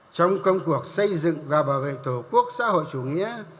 trong công cuộc xây dựng và bảo vệ tổ quốc xã hội chủ nghĩa